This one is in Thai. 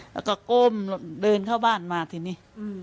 แล้วก็ก้มเดินเข้าบ้านมาทีนี้